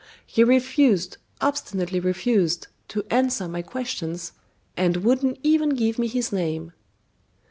He refused, obstinately refused, to answer my questions, and wouldn't even give me his name."